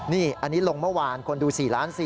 นี่อันนี้ลงเมื่อวานคนดู๔ล้าน๔๐๐